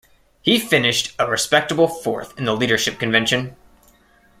He finished a respectable fourth in the leadership convention.